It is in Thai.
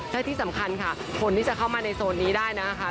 และที่สำคัญค่ะคนที่จะเข้ามาในโซนนี้ได้นะคะ